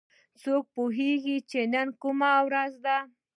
څوک پوهیږي چې نن کومه ورځ ده